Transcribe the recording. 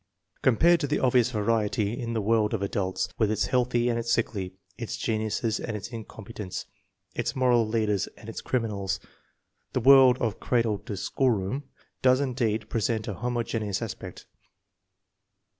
Compared to the obvious variety of the world of adults, with its healthy and its sickly, its geniuses and its incompetents, its moral leaders and its criminals, the world of cradle or schoolroom does indeed present a homogeneous aspect.